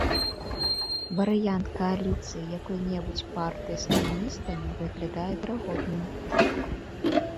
Варыянт кааліцыі якой-небудзь партыі з камуністамі выглядае верагодным.